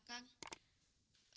dan saya menemukan